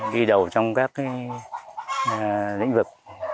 đi đầu trong các lĩnh vực